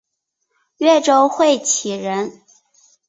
越州会稽人。